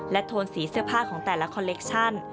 โทนสีเสื้อผ้าของแต่ละคอลเลคชั่น